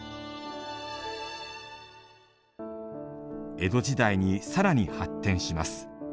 江戸時代にさらに発展します。